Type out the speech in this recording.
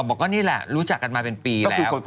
บอกว่านี่แหละรู้จักกันมาเป็นปีแล้ว